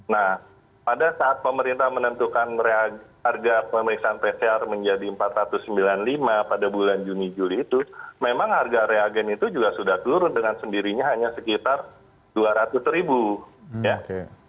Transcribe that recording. nah pada saat pemerintah menentukan harga pemeriksaan pcr menjadi rp empat ratus sembilan puluh lima pada bulan juni juli itu memang harga reagen itu juga sudah turun dengan sendirinya hanya sekitar rp dua ratus ribu